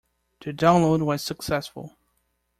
The download was successful.